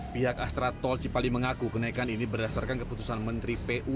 pihak astra tol cipali mengaku kenaikan ini berdasarkan keputusan menteri pu